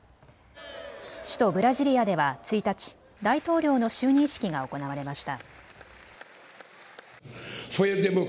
首都ブラジリアでは１日、大統領の就任式が行われました。